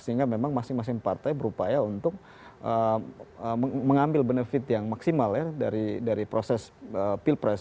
sehingga memang masing masing partai berupaya untuk mengambil benefit yang maksimal ya dari proses pilpres